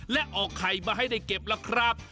และออกไข่มาให้ได้เก็บล่ะครับ